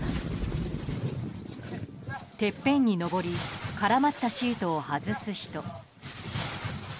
てっぺんに登り絡まったシートを外す人。